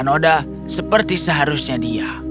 noda seperti seharusnya dia